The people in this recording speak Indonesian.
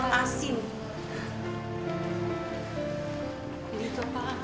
masa kaya gak bisa jemput